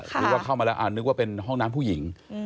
หรือว่าเข้ามาแล้วนึกว่าเป็นห้องน้ำผู้หญิง